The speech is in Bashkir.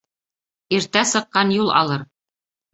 Иртә сыҡҡан юл алыр.